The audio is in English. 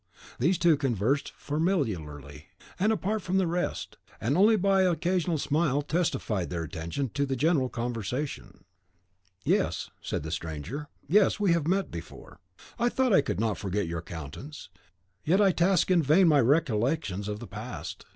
These two conversed familiarly, and apart from the rest, and only by an occasional smile testified their attention to the general conversation. "Yes," said the stranger, "yes, we have met before." "I thought I could not forget your countenance; yet I task in vain my recollections of the past."